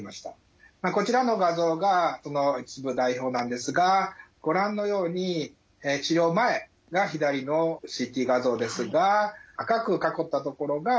こちらの画像が一部代表なんですがご覧のように治療前が左のＣＴ画像ですが赤く囲った所が原発。